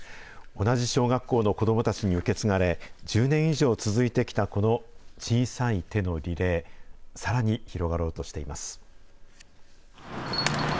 同じ小学校の子どもたちに受け継がれ、１０年以上続いてきたこの小さい手のリレー、さらに広がろうとしています。